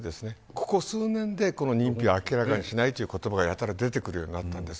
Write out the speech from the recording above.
ここ数年で認否を明らかにしないという言葉がやたら出てくるようになったんです。